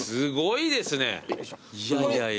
いやいやいや。